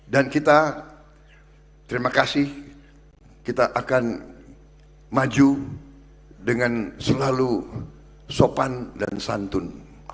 dan kita terima kasih kita akan maju dengan selalu sopan dan santun